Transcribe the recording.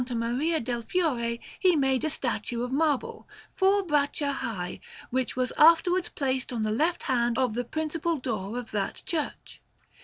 Maria del Fiore he made a statue of marble, four braccia high, which was afterwards placed on the left hand of the principal door of that church.